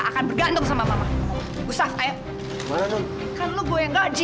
kan lu goyang gaji